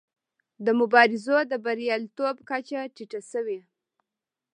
د مبارزو د بریالیتوب کچه ټیټه شوې.